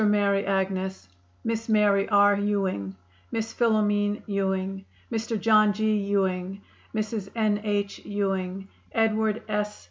Mary Agnes, Miss Mary R. Ewing, Miss Philomene Ewing, Mr. John G. Ewing, Mrs. N. H. Ewing, Edward S.